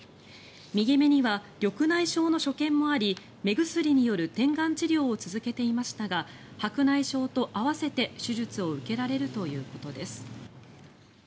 右目には緑内障の所見もあり目薬による点眼治療を続けていましたが白内障と合わせて手術を受けられるということです。